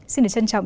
xin được trân trọng